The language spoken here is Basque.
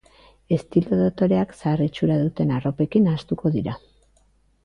Estilo dotoreak zahar itxura duten arropekin nahastuko dira.